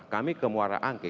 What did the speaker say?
kami ke muara angke